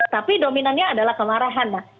tapi dominannya adalah kemarahan